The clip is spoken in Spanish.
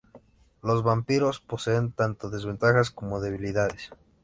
Los vampiros poseen tanto desventajas como debilidades.